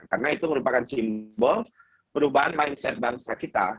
karena itu merupakan simbol perubahan mindset bangsa kita